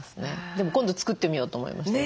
でも今度作ってみようと思いました